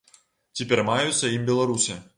Ці пераймаюцца ім беларусы?